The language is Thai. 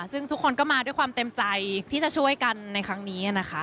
ซึ่งทุกคนก็มาด้วยความเต็มใจที่จะช่วยกันในครั้งนี้นะคะ